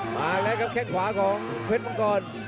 มาแล้วครับแค่งขวาของเพชรมังกร